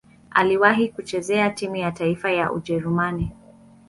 Aliwahi kucheza timu ya taifa ya Ujerumani.